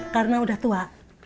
karna udah tua